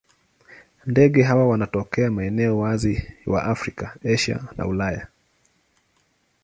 Ndege hawa wanatokea maeneo wazi wa Afrika, Asia na Ulaya.